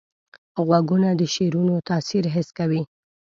غوږونه د شعرونو تاثیر حس کوي